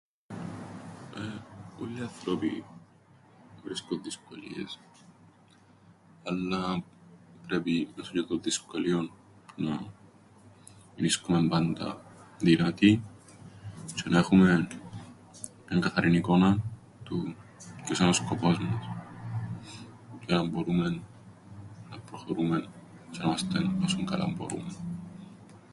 Ε, ούλλοι οι ανθρώποι βρίσκουν δυσκολίες, αλλά... πρέπει μέσον τζ̆αι των δυσκολίων να μεινίσκουμεν πάντα δυνατοί, τζ̆αι να έχουμεν μιαν καθαρήν εικόναν του ποιος εν' ο σκοπός μας, για να μπορούμεν να προχωρούμεν τζ̆αι να 'μαστεν όσον καλά μπορούμεν.